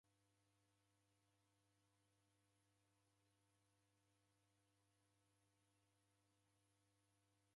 W'anake naw'o w'ori w'adaenda mbuw'enyi kulima.